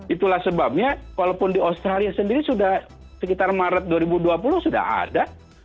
itulah sebabnya walaupun di australia sendiri sudah sekitar maret dua ribu dua puluh sudah ada